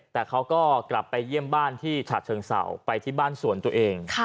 แต่เขาก็กลับไปเยี่ยมบ้านที่ฉะเชิงเศร้าไปที่บ้านส่วนตัวเอง